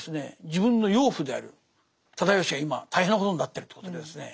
自分の養父である直義が今大変なことになってるということでですね